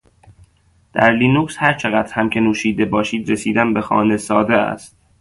در لینوکس هرچقدر هم که نوشیده باشید، رسیدن به خانه ساده است.